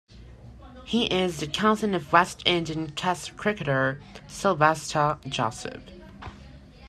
He is the cousin of West Indian Test cricketer Sylvester Joseph.